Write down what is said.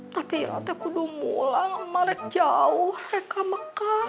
tapi irate kudu mulang sama lo jauh reka mekah